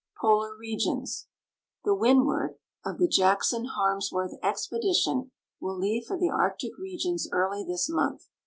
POLAR REGIONS The Wbidimnl, of the Jackson Harmsworth expedition, will leave for the Arctic regions early this month.